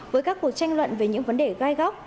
với các cuộc tranh luận về những vấn đề gai góc